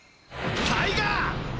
タイガー！